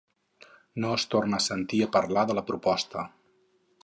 No es tornà a sentir a parlar de la proposta.